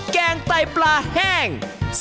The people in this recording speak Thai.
แกงไตปลาแห้ง